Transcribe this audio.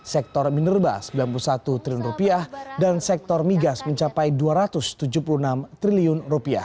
sektor minerba rp sembilan puluh satu triliun dan sektor migas mencapai rp dua ratus tujuh puluh enam triliun